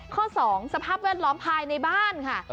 ข้อ๒สภาพแวดล้อมภายในบ้านค่ะ